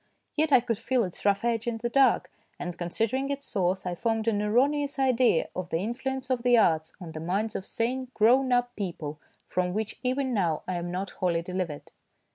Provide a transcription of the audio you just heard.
Yet I could feel its rough edge in the dark ; and considering its source, I formed an erroneous idea of the influence of the arts on the minds of sane grown up people, from which even now I am not wholly delivered.